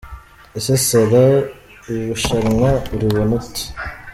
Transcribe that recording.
Ese Sarah iri rushanwa aribona ate? .